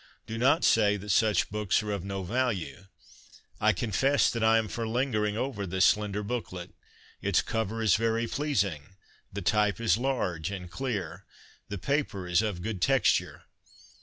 Do not say that such books are of no value. I confess that I am for lingering over this slender booklet. Its cover is very pleasing ; the type is large and clear ; the j6 CONFESSIONS OF A BOOK LOVER paper is of good texture.